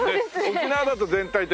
沖縄だと全体的に。